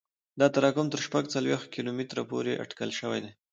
دا تراکم تر شپږ څلوېښت کیلومتره پورې اټکل شوی دی